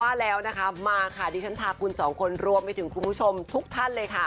ว่าแล้วนะคะมาค่ะดิฉันพาคุณสองคนรวมไปถึงคุณผู้ชมทุกท่านเลยค่ะ